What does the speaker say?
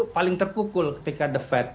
itu paling terkukul ketika the fed